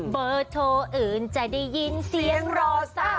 เบอร์โทรอื่นจะได้ยินเสียงรอซะ